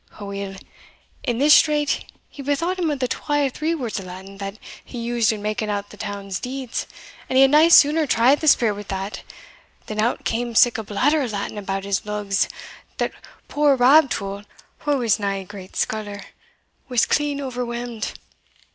Aweel, in this strait, he bethought him of the twa or three words o' Latin that he used in making out the town's deeds, and he had nae sooner tried the spirit wi' that, than out cam sic a blatter o' Latin about his lugs, that poor Rab Tull, wha was nae great scholar, was clean overwhelmed.